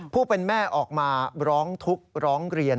ผู้เป็นแม่ออกมาร้องทุกข์ร้องเรียน